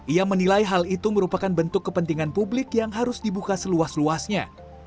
ia menilai hal itu merupakan bentuk kepentingan publik yang harus dibuka seluas luasnya